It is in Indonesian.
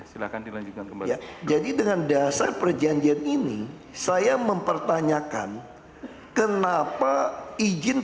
silahkan dilanjutkan kembali jadi dengan dasar perjanjian ini saya mempertanyakan kenapa izin